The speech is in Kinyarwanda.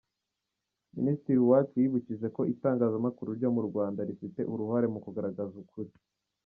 Minisitiri Uwacu yibukije ko itangazamakuru ryo mu Rwanda rifite uruhare mu kugaragaza ukuri.